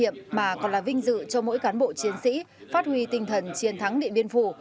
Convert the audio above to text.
phát huy tinh thần chiến thắng địa biên phủ